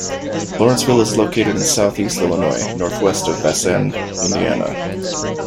Lawrenceville is located in southeast Illinois, northwest of Vincennes, Indiana.